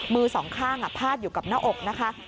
มือสองข้างพาดอยู่กับหน้าอกนะคะ